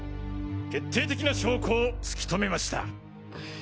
決定的な証拠を突きとめました。